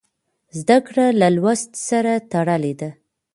زده کړه له لوست سره تړلې ده.